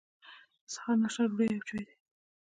د سهار ناشته ډوډۍ او چای دی.